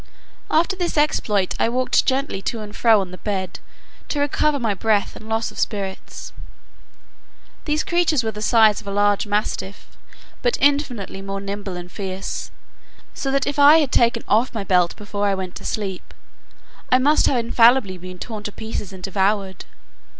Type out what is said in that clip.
After this exploit, I walked gently to and fro on the bed, to recover my breath and loss of spirits. These creatures were of the size of a large mastiff, but infinitely more nimble and fierce; so that if I had taken off my belt before I went to sleep, I must have infallibly been torn to pieces and devoured.